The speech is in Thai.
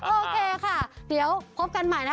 โอเคค่ะเดี๋ยวพบกันใหม่นะคะ